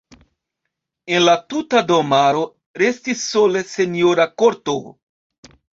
El la tuta domaro restis sole senjora korto.